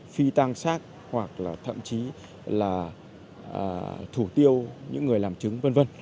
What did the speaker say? phi tăng xác hoặc thậm chí là thủ tiêu những người làm chứng v v